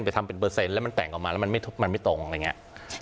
ไปทำเป็นเปอร์เซ็นต์แล้วมันแต่งออกมาแล้วมันไม่ตรงอะไรอย่างนี้